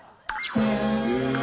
へえ。